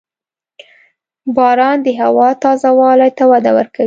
• باران د هوا تازه والي ته وده ورکوي.